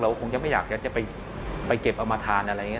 คงจะไม่อยากจะไปเก็บเอามาทานอะไรอย่างนี้